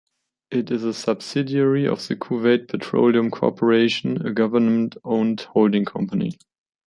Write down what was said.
It is a subsidiary of the Kuwait Petroleum Corporation, a Government-owned holding company.